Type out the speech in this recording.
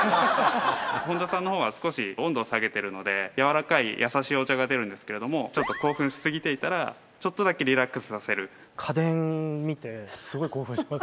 本田さんのほうは少し温度を下げているので柔らかい優しいお茶が出るんですけれどもちょっと興奮しすぎていたらちょっとだけリラックスさせる家電見てすごい興奮してます